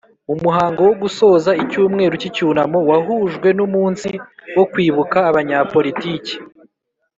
Umuhango wo gusoza icyumweru cy icyunamo wahujwe n umunsi wo kwibuka Abanyapolitiki